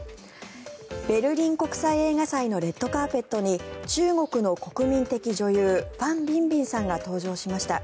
ベルリン国際映画祭のレッドカーペットに中国の国民的女優ファン・ビンビンさんが登場しました。